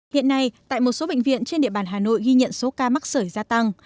hiện nay tại một số bệnh viện trên địa bàn hà nội ghi nhận số ca mắc sởi gia tăng